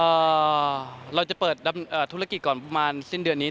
เราจะเปิดธุรกิจก่อนประมาณสิ้นเดือนนี้